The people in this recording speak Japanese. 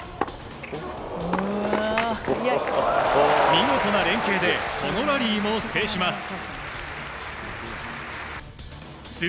見事な連係でこのラリーも制します。